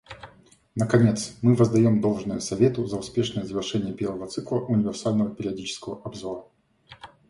Наконец, мы воздаем должное Совету за успешное завершение первого цикла универсального периодического обзора.